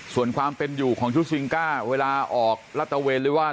ส่วนความเป็นอยู่ของชุดซิงก้าเวลาออกรัตเวนหรือว่า